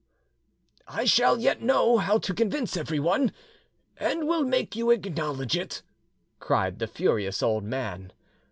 "I shall yet know how to convince everyone, and will make you acknowledge it," cried the furious old man.